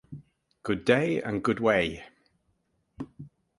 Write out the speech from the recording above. Good day and good way!